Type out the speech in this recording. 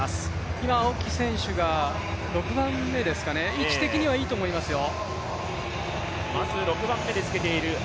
今、青木選手が６番目ですかね、位置的にはいいと思いますよ。